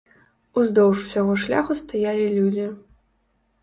Уздоўж усяго шляху стаялі людзі.